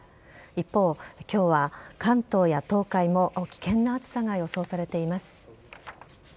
一方、今日は関東や東海も危険な暑さが予想されています。